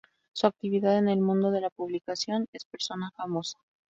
Su actividad en el mundo de la publicación, Es persona famosa.